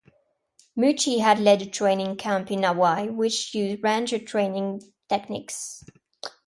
Mucci had led a training camp in Hawaii which used Ranger training techniques.